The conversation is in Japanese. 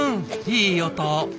いい音。